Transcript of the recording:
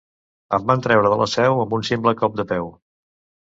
Em van treure de la Seu amb un simple cop de peu.